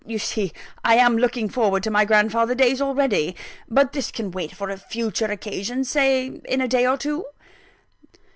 You see I am looking forward to my grandfather days already! But this can wait for a future occasion say in a day or two."